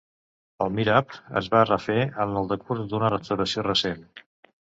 El mihrab es va refer en el decurs d'una restauració recent.